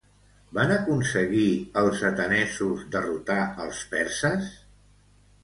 Van aconseguir els atenesos derrotar els perses?